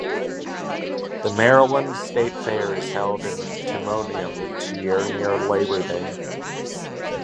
The Maryland State Fair is held in Timonium each year near Labor Day.